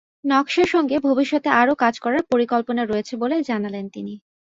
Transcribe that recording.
নকশার সঙ্গে ভবিষ্যতে আরও কাজ করার পরিকল্পনা রয়েছে বলে জানালেন তিনি।